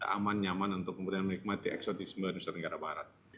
aman nyaman untuk menikmati eksotisme nusantara barat